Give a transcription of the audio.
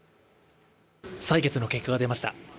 採決の結果が出ました。